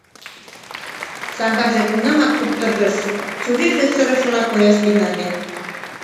Саҥгаже тунамак куптыргыш, чурийже сырышыла кояш тӱҥале.